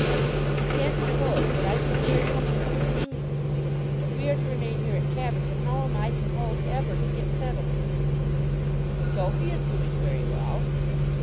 "You can't suppose that I should be very comfortable in England. If we are to remain here at Caversham, how am I to hope ever to get settled?" "Sophy is doing very well."